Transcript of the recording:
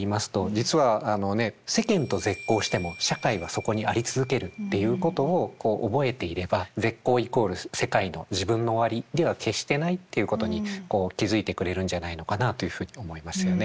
実はあのね世間と絶交しても社会はそこにありつづけるっていうことを覚えていれば絶交イコール世界の自分の終わりでは決してないっていうことに気付いてくれるんじゃないのかなというふうに思いますよね。